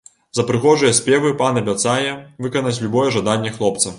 За прыгожыя спевы пан абяцае выканаць любое жаданне хлопца.